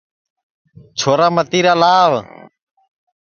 چھورا متیرا لاو